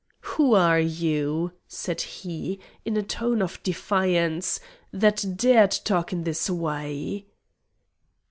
"Who are you?" said he, in a tone of defiance, "that dare to talk in this way?"